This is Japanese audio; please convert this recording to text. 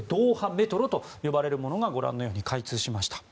メトロと呼ばれるものがご覧のように開通しました。